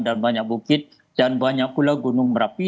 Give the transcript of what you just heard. dan banyak bukit dan banyak pula gunung merapi